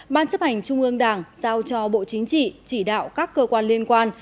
ban chấp hành trung ương đảng giao cho bộ chính trị chỉ đạo các cơ quan liên quan